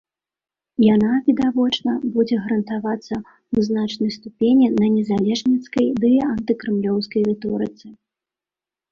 Яна, відавочна, будзе грунтавацца ў значнай ступені на незалежніцкай ды антыкрамлёўскай рыторыцы.